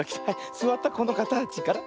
すわったこのかたちから。